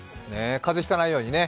風邪引かないようにね。